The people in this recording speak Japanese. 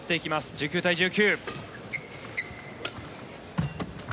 １９対１９。